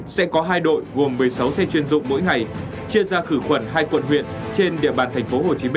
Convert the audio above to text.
sẽ có hai đội gồm một mươi sáu xe chuyên dụng mỗi ngày chia ra khử khuẩn hai quận huyện trên địa bàn tp hcm